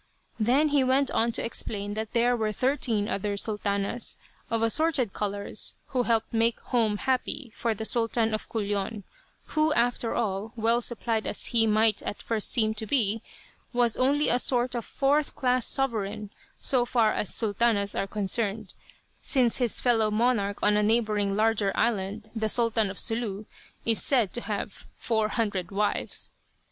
Then he went on to explain that there were thirteen other sultanas, of assorted colors, who helped make home happy for the Sultan of Culion, who after all, well supplied as he might at first seem to be, was only a sort of fourth class sovereign, so far as sultanas are concerned, since his fellow monarch on a neighboring larger island, the Sultan of Sulu, is said to have four hundred wives.